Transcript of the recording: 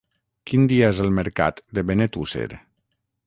Quin dia és el mercat de Benetússer?